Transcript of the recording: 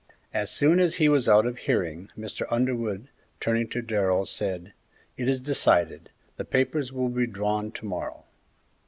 As soon as he was out of hearing Mr. Underwood, turning to Darrell, said, "It is decided; the papers will be drawn to morrow."